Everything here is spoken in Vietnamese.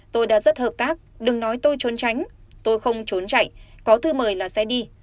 tôi đã rất hợp tác đừng nói tôi trốn tránh tôi không trốn chạy có thư mời là xe đi